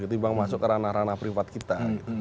ketimbang masuk ke ranah ranah privat kita